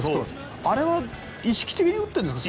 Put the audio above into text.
あれは意識的に打ってるんですか？